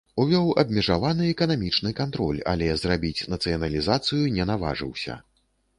Увёў абмежаваны эканамічны кантроль, але зрабіць нацыяналізацыю не наважыўся.